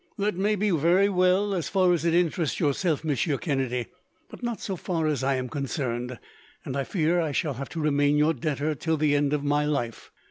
"That may be very well, as far as it interests yourself, Monsieur Kennedy; but not so far as I am concerned, and I fear I shall have to remain your debtor till the end of my life.